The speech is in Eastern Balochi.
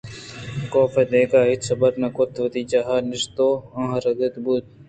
کاف ءَ دگہ ہچ حبر نہ کُت وتی جاہ ءَ نشت ءُ آ رہادگ بوت اَنت